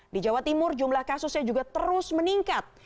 di jawa timur jumlah kasusnya juga terus meningkat